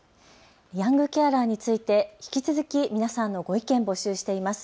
ヤングケアラーについて引き続き皆さんのご意見募集しています。